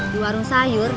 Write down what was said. di warung sayur